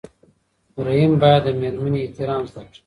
رحیم باید د مېرمنې احترام زده کړي.